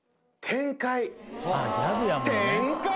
展開！